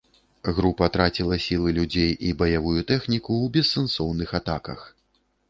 Група траціла сілы, людзей і баявую тэхніку ў бессэнсоўных атаках.